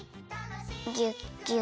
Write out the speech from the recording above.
ぎゅっぎゅっ。